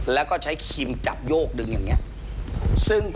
แล้วก็ใช้ครีมจับโยกดึงอย่างนี้